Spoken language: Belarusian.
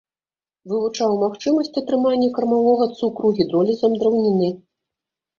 Вывучаў магчымасць атрымання кармавога цукру гідролізам драўніны.